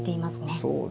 そうですね。